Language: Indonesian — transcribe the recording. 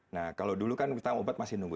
nah kalau dulu kan kita obat masih nunggu